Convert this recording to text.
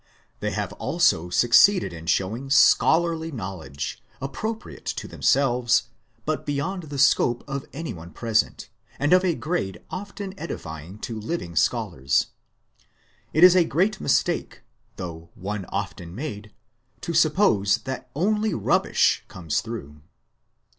They have also succeeded in showing scholarly knowledge, appropriate to themselves, but beyond the scope of anyone present, and of a grade often edifying to living scholars. It is a great mistake, though one often made, to suppose that only rubbish comes through.